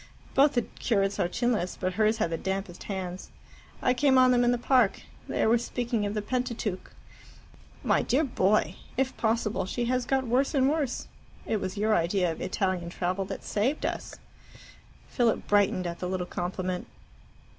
Both the curates are chinless, but hers had the dampest hands. I came on them in the Park. They were speaking of the Pentateuch." "My dear boy! If possible, she has got worse and worse. It was your idea of Italian travel that saved us!" Philip brightened at the little compliment.